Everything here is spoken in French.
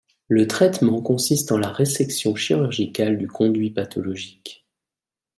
Le traitement consiste en la résection chirurgicale du conduit pathologique.